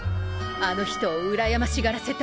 あの人をうらやましがらせたい。